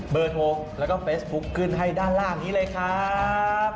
เบอร์โทรแล้วก็เฟซบุ๊คขึ้นให้ด้านล่างนี้เลยครับ